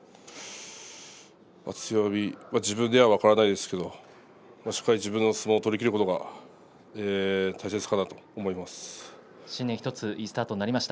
強み、自分では分からないですけれどもしっかり自分の相撲を取りきることが新年いいスタートになりました。